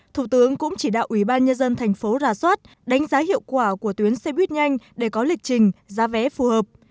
thủ tướng cũng chỉ đạo ủy ban nhân dân thành phố ra soát đánh giá hiệu quả của tuyến xe buýt nhanh để có lịch trình giá vé phù hợp